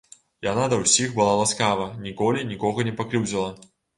Яна да ўсіх была ласкава, ніколі нікога не пакрыўдзіла.